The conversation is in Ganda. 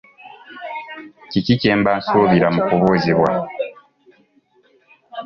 Kiki kye mba nsuubira mu kubuuzibwa?